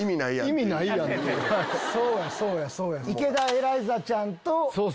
そうやそうやそうや。